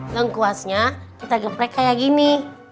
lengkuasnya kita geprek kayak gini